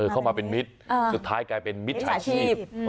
เข้ามาเป็นมิตรสุดท้ายกลายเป็นมิจฉาชีพ